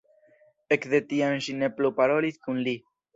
Ekde tiam ŝi ne plu parolis kun li.